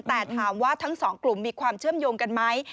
แต่ถามว่าทั้งสองกลุ่มมีความเชื่อมโยงกันไหม